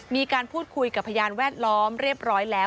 มีการพูดคุยกับพยานแวดล้อมเรียบร้อยแล้ว